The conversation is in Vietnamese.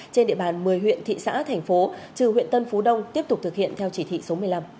trên địa bàn một mươi huyện thị xã thành phố trừ huyện tân phú đông tiếp tục thực hiện theo chỉ thị số một mươi năm